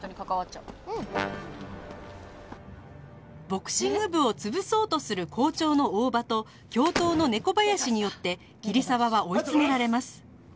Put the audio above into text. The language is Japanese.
ボクシング部を潰そうとする校長の大場と教頭の猫林によって桐沢は追い詰められます